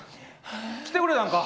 来てくれたんか？